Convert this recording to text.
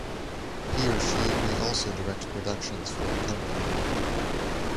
He or she may also direct productions for the company.